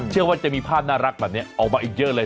เชื่อว่าจะมีภาพน่ารักแบบนี้ออกมาอีกเยอะเลย